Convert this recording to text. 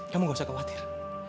kamu gak usah khawatir